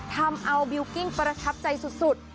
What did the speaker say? ทำเอาบิลกิ้งประทับใจสุด